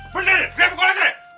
bener ya gue yang the kolektor ya